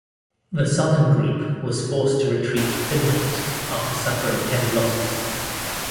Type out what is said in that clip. The southern group was forced to retreat to Finland after suffering heavy losses.